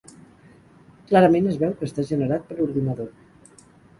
Clarament es veu que està generat per ordinador.